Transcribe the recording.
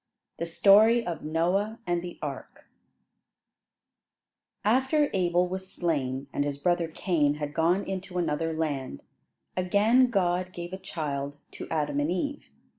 THE STORY OF NOAH AND THE ARK After Abel was slain, and his brother Cain had gone into another land, again God gave a child to Adam and Eve.